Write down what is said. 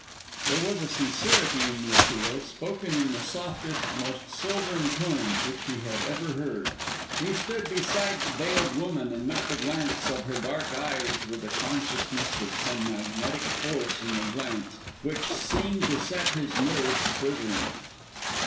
There was sincerity in the appeal, spoken in the softest, most silvern tone which he had ever heard. He stood beside the veiled woman, and met the glance of her dark eyes with a consciousness of some magnetic force in the glance, which seemed to set his nerves quivering.